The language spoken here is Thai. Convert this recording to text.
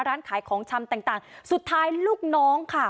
ร้านขายของชำต่างสุดท้ายลูกน้องค่ะ